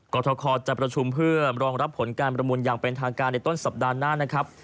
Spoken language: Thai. กรทคจะประชุมเพื่อรองรับผลการประมูลอย่างเป็นทางการในต้นสัปดาห์หน้านะครับ